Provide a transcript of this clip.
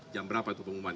jam berapa itu pengumuman